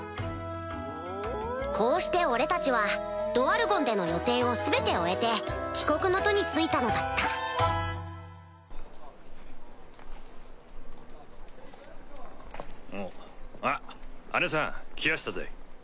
こうして俺たちはドワルゴンでの予定を全て終えて帰国の途に就いたのだったおっあっあねさん来やしたぜ。